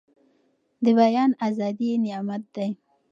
د بيان ازادي نعمت دی.